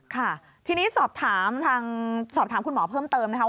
ค่ะทีนี้สอบถามคุณหมอเพิ่มเติมนะครับ